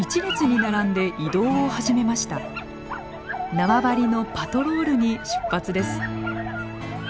縄張りのパトロールに出発です。